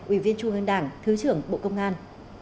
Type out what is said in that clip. ủy viên trung ương đảng thứ trưởng bộ công an